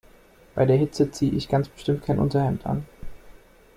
Bei der Hitze ziehe ich ganz bestimmt kein Unterhemd an.